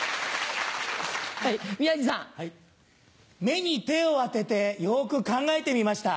目に手を当ててよく考えてみました。